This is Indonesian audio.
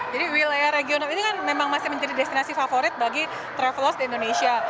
jadi wilayah regional ini kan memang masih menjadi destinasi favorit bagi travelos di indonesia